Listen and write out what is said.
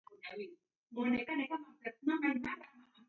Maaghi gha kafwani gherebuduka.